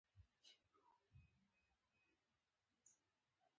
له تالاشۍ مخکې په یوې ودانۍ کې کتار کړکۍ وې.